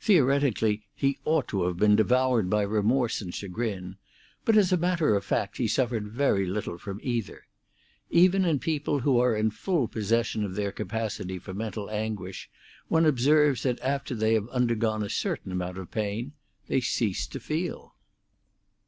Theoretically he ought to have been devoured by remorse and chagrin, but as a matter of fact he suffered very little from either. Even in people who are in full possession of their capacity for mental anguish one observes that after they have undergone a certain amount of pain they cease to feel.